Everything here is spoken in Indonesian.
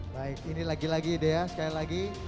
baik ini lagi lagi dea sekali lagi